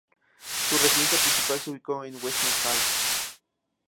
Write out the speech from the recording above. Su residencia principal se ubicó en Weston Hall, Northamptonshire, en la casa familiar.